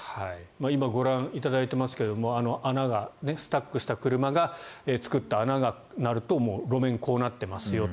今ご覧いただいていますがスタックした車が作った穴がああなると路面がこうなっていますよと。